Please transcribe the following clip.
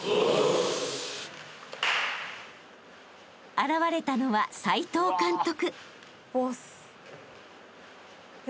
［現れたのは齋藤監督］